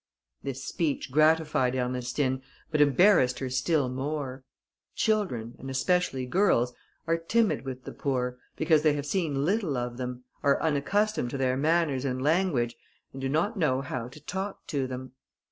This speech gratified Ernestine, but embarrassed her still more. Children, and especially girls, are timid with the poor, because they have seen little of them, are unaccustomed to their manners and language, and do not know how to talk to them.